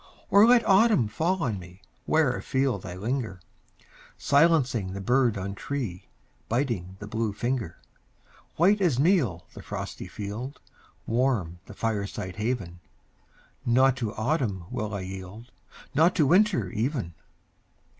Or let autumn fall on me Where afield I linger, Silencing the bird on tree, Biting the blue finger. White as meal the frosty field Warm the fireside haven Not to autumn will I yield, Not to winter even!